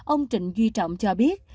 ông trịnh duy trọng cho biết